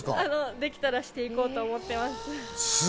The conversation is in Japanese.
できたらして行こうと思っています。